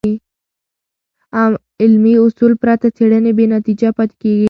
علمي اصول پرته څېړنې بېنتیجه پاتې کېږي.